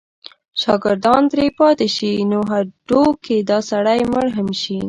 شاګردان ترې پاتې شي نو هډو که دا سړی مړ هم شي.